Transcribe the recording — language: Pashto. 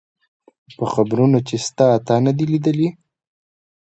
په خبرونو کي شته، تا نه دي لیدلي؟